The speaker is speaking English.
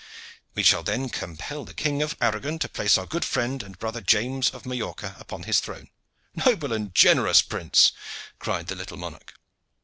"We shall then compel the King of Aragon to place our good friend and brother James of Majorca upon the throne." "Noble and generous prince!" cried the little monarch.